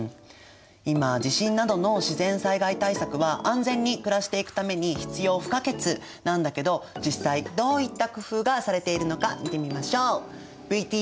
今地震などの自然災害対策は安全に暮らしていくために必要不可欠なんだけど実際どういった工夫がされているのか見てみましょう！